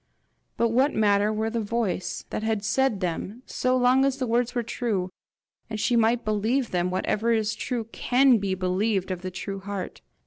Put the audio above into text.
But what matter where the voice that had said them, so long as the words were true, and she might believe them! Whatever is true CAN be believed of the true heart.